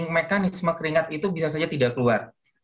mekanisme keringat itu bisa saja tidak keluar